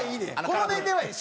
この年齢はいい。